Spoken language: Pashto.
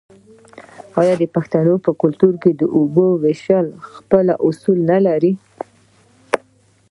آیا د پښتنو په کلتور کې د اوبو ویش خپل اصول نلري؟